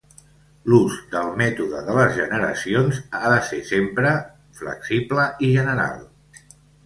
L'ús del mètode de les generacions ha de ser sempre flexible i general.